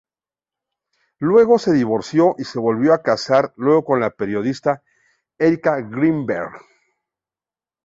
Luego se divorció y se volvió a casar luego con la periodista Erika Grinberg.